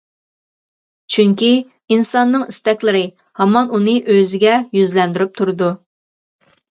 چۈنكى ئىنساننىڭ ئىستەكلىرى ھامان ئۇنى ئۆزىگە يۈزلەندۈرۈپ تۇرىدۇ.